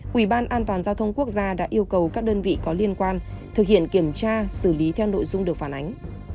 quỹ ban an toàn giao thông quốc gia đã yêu cầu các đơn vị có liên quan thực hiện kiểm tra xử lý theo nội dung được phản ánh